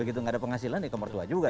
begitu gak ada penghasilan ya kemertua juga